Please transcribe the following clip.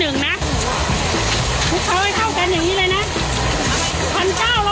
พวกเขาให้เท่ากันอย่างนี้เลยนะ